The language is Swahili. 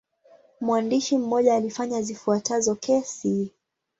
Mwandishi mmoja alifanya zifuatazo kesi.